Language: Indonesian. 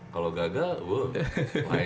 kalau gagal wah main ceritanya sih